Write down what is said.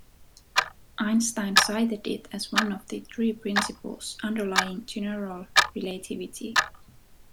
Einstein cited it as one of the three principles underlying general relativity.